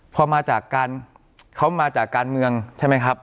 พอมาจากการเขามาจากการเมืองใช่ไหมครับ